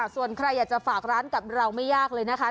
ส่วนใครอยากจะฝากร้านกับเราไม่ยากเลยนะคะ